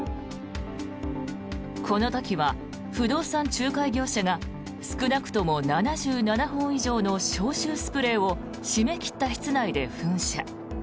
この時は、不動産仲介業者が少なくとも７７本以上の消臭スプレーを閉め切った室内で噴射。